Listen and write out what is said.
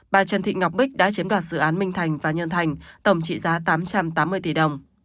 bà trần thị ngọc bích đã chiếm đoạt dự án minh thành và nhân thành tổng trị giá tám trăm tám mươi tỷ đồng